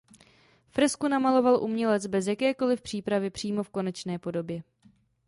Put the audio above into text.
Fresku namaloval umělec bez jakékoliv přípravy přímo v konečné podobě.